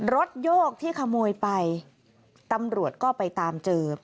โยกที่ขโมยไปตำรวจก็ไปตามเจอ